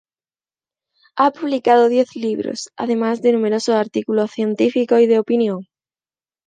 Ha publicado diez libros además de numerosos artículos científicos y de opinión.